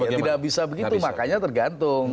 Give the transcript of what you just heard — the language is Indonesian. ya tidak bisa begitu makanya tergantung